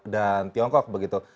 dan tiongkok begitu